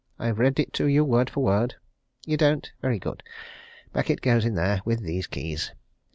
I've read it to you word for word. You don't? Very good back it goes in there, with these keys.